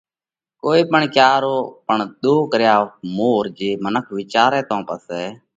ڪوئي پڻ ڪا ڪيا رو پڻ ۮوه ڪريا مور جي منک وِيچارئہ تو پسئہ